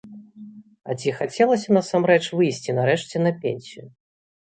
А ці хацелася насамрэч выйсці нарэшце на пенсію?